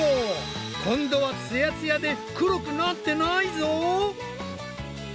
今度はつやつやで黒くなってないぞ！